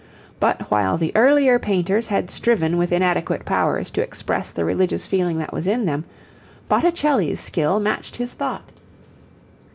But while the earlier painters had striven with inadequate powers to express the religious feeling that was in them, Botticelli's skill matched his thought.